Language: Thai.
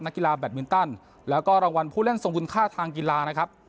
กีฬาแบตมินตันแล้วก็รางวัลผู้เล่นทรงคุณค่าทางกีฬานะครับ